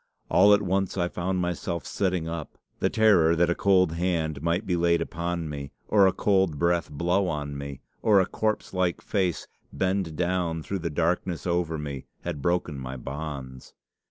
All at once I found myself sitting up. The terror that a cold hand might be laid upon me, or a cold breath blow on me, or a corpse like face bend down through the darkness over me, had broken my bonds!